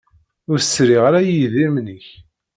Ur sriɣ ara i idrimen-ik.